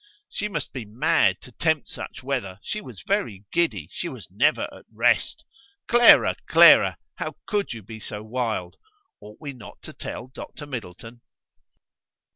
She must be mad to tempt such weather: she was very giddy; she was never at rest. Clara! Clara! how could you be so wild! Ought we not to tell Dr. Middleton?